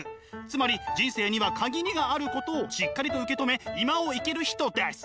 つまり人生には限りがあることをしっかりと受け止め今を生きる人です。